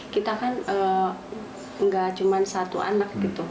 kita kan nggak cuma satu anak gitu